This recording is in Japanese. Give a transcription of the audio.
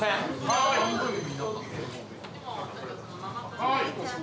はい！